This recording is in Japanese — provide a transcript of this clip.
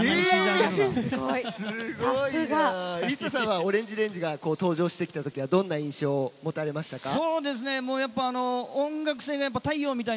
ＩＳＳＡさんはＯＲＡＮＧＥＲＡＮＧＥが登場してきたときはどんな印象を持たれましたか？